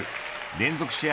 連続試合